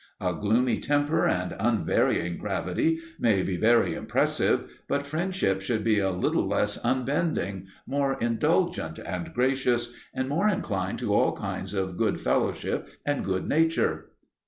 A gloomy temper and unvarying gravity may be very impressive; but friendship should be a little less unbending, more indulgent and gracious, and more inclined to all kinds of good fellowship and good nature.